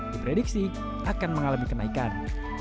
diprediksi akan mengalami kenaikan